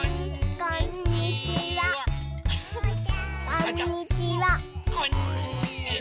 こんにちは。